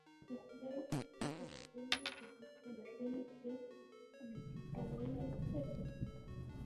This experiment led to the famous dish tandoori chicken.